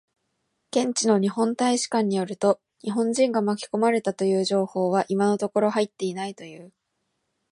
現地の日本大使館によると、日本人が巻き込まれたという情報は今のところ入っていないという。